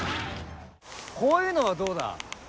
こういうのはどうだ。